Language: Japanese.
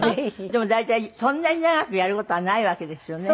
でも大体そんなに長くやる事はないわけですよね。